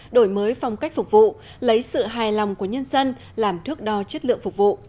đổi mới phong cách phục vụ lấy sự hài lòng của nhân dân làm thước đo chất lượng phục vụ